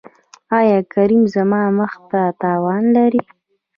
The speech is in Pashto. ایا کریم زما مخ ته تاوان لري؟